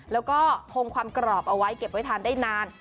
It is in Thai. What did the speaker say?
แล้วก็คงความกรอบเอาไว้เก็บไว้ทานได้นาน